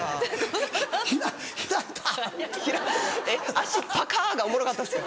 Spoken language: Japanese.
足パカがおもろかったんですか？